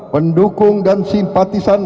pendukung dan simpatisan